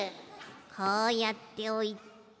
こうやっておいて。